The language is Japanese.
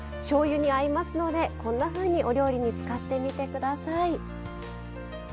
しょうゆに合いますのでこんなふうにお料理に使ってみて下さい。